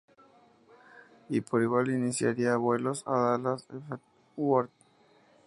Y por igual iniciaría vuelos a Dallas Ft Worth.